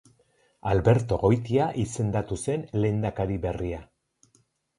Alberto Goitia izendatu zen lehendakari berria.